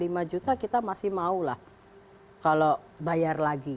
satu sampai lima juta kita masih maulah kalau bayar lagi